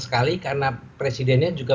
sekali karena presidennya juga